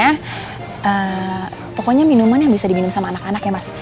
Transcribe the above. karena pokoknya minuman yang bisa diminum sama anak anak ya mas